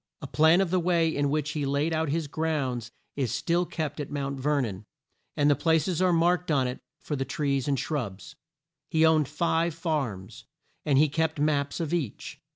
A plan of the way in which he laid out his grounds is still kept at Mount Ver non, and the pla ces are marked on it for the trees and shrubs. He owned five farms, and he kept maps of each.